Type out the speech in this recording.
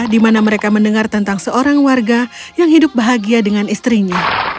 di mana mereka mendengar tentang seorang warga yang hidup bahagia dengan istrinya